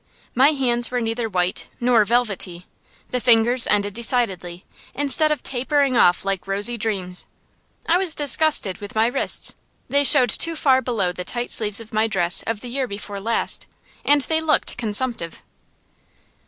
My hands were neither white nor velvety; the fingers ended decidedly, instead of tapering off like rosy dreams. I was disgusted with my wrists; they showed too far below the tight sleeves of my dress of the year before last, and they looked consumptive.